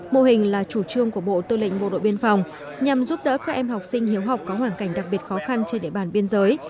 mô hình là chủ trương của bộ tư lệnh bộ đội biên phòng nhằm giúp đỡ các em học sinh hiếu học có hoàn cảnh đặc biệt khó khăn trên địa bàn biên giới